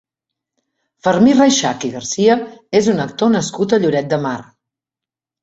Fermí Reixach i García és un actor nascut a Lloret de Mar.